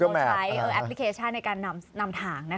เราใช้แอปพลิเคชันในการนำถ่าง